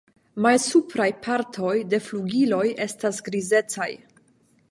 Malsupraj partoj de flugiloj estas grizecaj.